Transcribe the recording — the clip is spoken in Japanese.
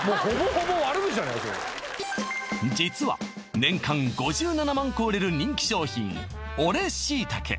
それ実は年間５７万個売れる人気商品俺しいたけ